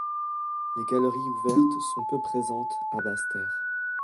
Les galeries ouvertes sont peu présentes à Basse-Terre.